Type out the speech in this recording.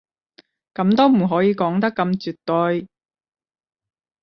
噉都唔可以講得咁絕對